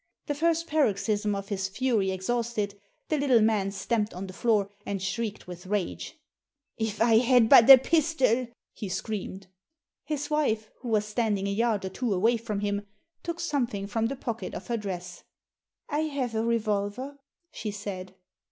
The first paroxysm of his fury exhausted, the little man stamped on the floor and shrieked with rage. •' If I had but a pistol !" he screamed. His wife, who was standing a yard or two away Digitized by VjOOQIC 192 THE SEEN AND THE UNSEEN from him, took something from the pocket of her dress. • I have a revolver," she said.